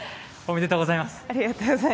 ありがとうございます。